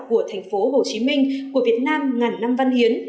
của thành phố hồ chí minh của việt nam ngàn năm văn hiến